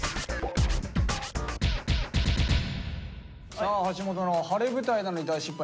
さあ橋本の「晴れ舞台なのに大失敗」